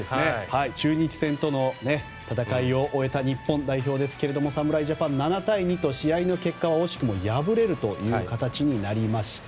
中日との戦いを終えた日本代表ですが侍ジャパン７対２と試合の結果は惜しくも敗れるという形となりました。